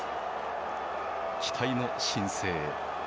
期待の新星。